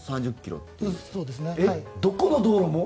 どこの道路も？